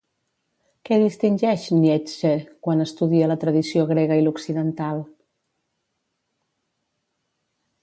Què distingeix Nietzsche quan estudia la tradició grega i l'occidental?